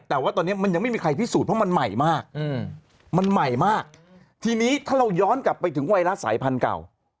แต่ว่าตอนนี้มันยังไม่มีใครพิสูจน์เพราะมันใหม่มากมันใหม่มากทีนี้ถ้าเราย้อนกลับไปถึงไวรัสสายพันธุ์เก่า